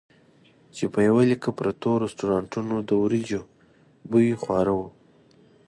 چې په یوه لیکه پرتو رستورانتونو د وریجو بوی خواره وو.